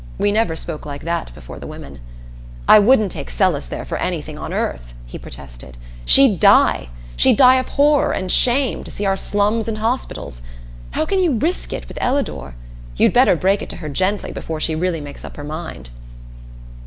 We never spoke like that before the women. "I wouldn't take Celis there for anything on earth!" he protested. "She'd die! She'd die of horror and shame to see our slums and hospitals. How can you risk it with Ellador? You'd better break it to her gently before she really makes up her mind."